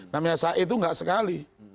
namanya sai itu gak sekali